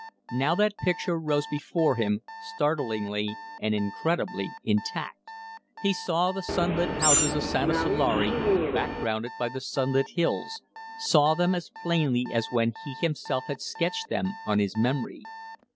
Now that picture rose before him, startlingly and incredibly intact. He saw the sunlit houses of Santasalare, backgrounded by the sunlit hills saw them as plainly as when he himself had sketched them on his memory.